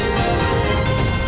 kính chào quý vị và các bạn